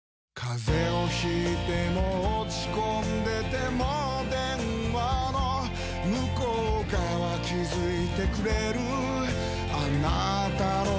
風邪を引いても落ち込んでても電話の向こう側気付いてくれるあなたの声